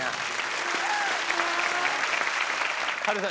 波瑠さん